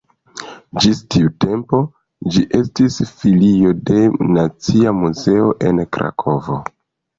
Ĝis tiu tempo ĝi estis filio de Nacia Muzeo en Krakovo.